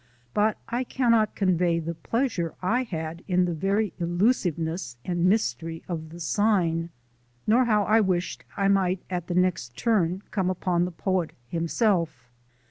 but I cannot convey the pleasure I had in the very elusiveness and mystery of the sign, nor how I wished I might at the next turn come upon the poet himself.